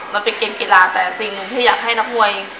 มันเป็นเกมกีฬาแต่สิ่งหนึ่งที่อยากให้นักมวย